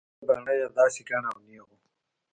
اوږده باڼه يې داسې گڼ او نېغ وو.